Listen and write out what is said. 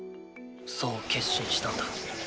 そう決心したんだ。